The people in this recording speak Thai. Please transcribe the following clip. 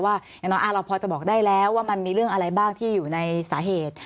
อย่างน้อยเราพอจะบอกได้แล้วว่ามันมีเรื่องอะไรบ้างที่อยู่ในสาเหตุ